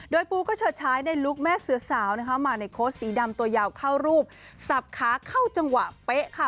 โดยปูก็เฉิดใช้ในลุคแม่เสือสาวนะคะมาในโค้ชสีดำตัวยาวเข้ารูปสับขาเข้าจังหวะเป๊ะค่ะ